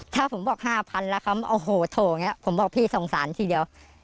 ถ้าผมบอกห้าพันละคำโอ้โหโถผมบอกพี่สงสารทีเดียว